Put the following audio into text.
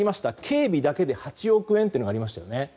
警備だけで８億円というのがありましたよね。